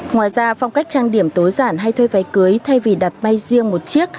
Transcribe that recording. ngoài ra phong cách trang điểm tối giản hay thuê váy cưới thay vì đặt may riêng một chiếc